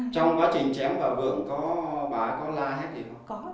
trong quá trình chém vào vườn có bà có la hét gì không